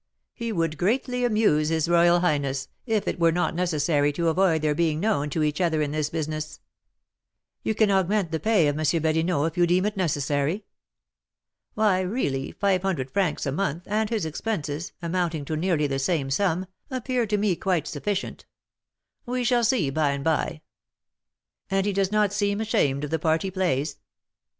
He would greatly amuse his royal highness, if it were not necessary to avoid their being known to each other in this business." "You can augment the pay of M. Badinot if you deem it necessary." "Why, really, five hundred francs a month, and his expenses, amounting to nearly the same sum, appear to me quite sufficient; we shall see by and by." "And does he not seem ashamed of the part he plays?"